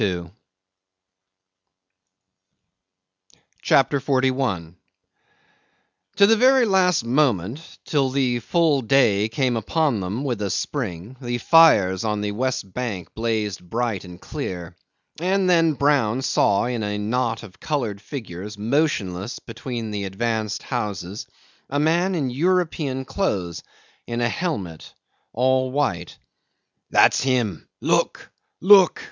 CHAPTER 41 'To the very last moment, till the full day came upon them with a spring, the fires on the west bank blazed bright and clear; and then Brown saw in a knot of coloured figures motionless between the advanced houses a man in European clothes, in a helmet, all white. "That's him; look! look!"